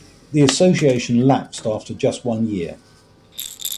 The association lapsed after just one year.